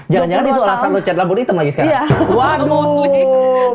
jangan jangan itu alasan lo chat laburnya hitam lagi sekarang